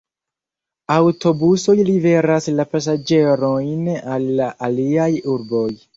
Aŭtobusoj liveras la pasaĝerojn al la aliaj urboj.